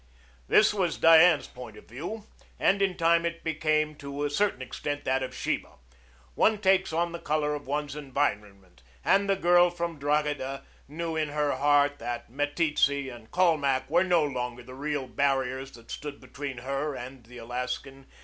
This was Diane's point of view, and in time it became to a certain extent that of Sheba. One takes on the color of one's environment, and the girl from Drogheda knew in her heart that Meteetse and Colmac were no longer the real barriers that stood between her and the Alaskan.